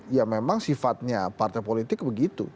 ya memang sifatnya partai politik begitu